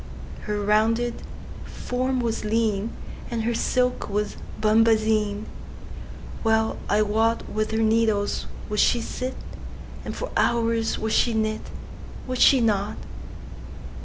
Her rounded form was lean, And her silk was bombazine:Well I wotWith her needles would she sit, And for hours would she knit,—Would she not?